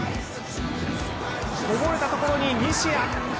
こぼれたところに西谷。